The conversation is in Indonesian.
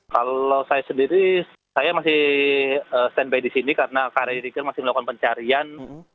kalau saya sendiri saya masih stand by di sini karena kri riga masih melakukan pencarian